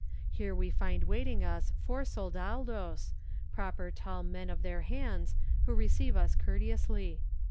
Here we find waiting us four soldados, proper tall men of their hands, who receive us courteously.